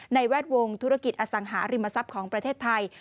แวดวงธุรกิจอสังหาริมทรัพย์ของประเทศไทย